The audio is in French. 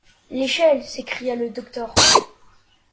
L’échelle! s’écria le docteur.